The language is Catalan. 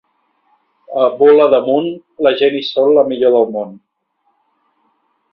A Bula d'Amunt, la gent hi són la millor del món.